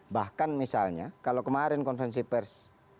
bahkan misalnya kalau kemarin konvensi pers